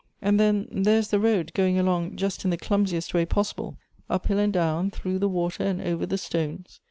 And then there is the road going along just in the clumsiest way possible, — up liill and down, through the water, and over the stones.